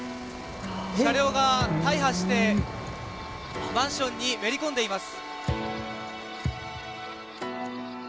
車両が大破してマンションにめり込んでいます。